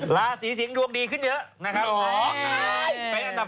ราศีสิงศ์ดวงดีขึ้นเยอะนะครับ